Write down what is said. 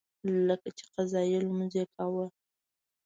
لکه چې قضایي لمونځ یې کاوه.